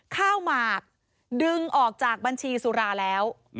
หมากดึงออกจากบัญชีสุราแล้ว